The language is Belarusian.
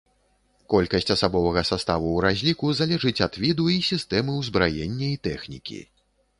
Колькасць асабовага саставу ў разліку залежыць ад віду і сістэмы ўзбраення і тэхнікі.